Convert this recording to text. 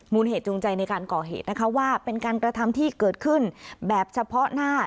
เหตุจูงใจในการก่อเหตุนะคะว่าเป็นการกระทำที่เกิดขึ้นแบบเฉพาะหน้า